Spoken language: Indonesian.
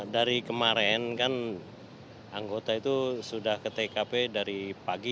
dari kemarin kan anggota itu sudah ke tkp dari pagi